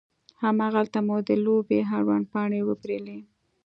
هماغلته مو د لوبې اړوند پاڼې وپیرلې.